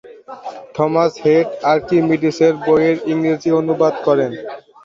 Thomas Heath আর্কিমিডিসের বইয়ের ইংরেজি অনুবাদ করেন।